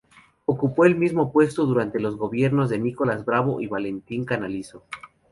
Ocupó el mismo puesto, durante los gobiernos de Nicolás Bravo y Valentín Canalizo.